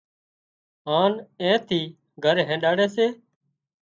هانَ اين ٿي گھر هينڏاڙي سي